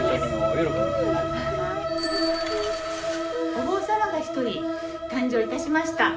お坊さまが１人誕生いたしました。